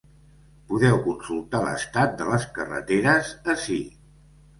Podeu consultar l’estat de les carreteres ací.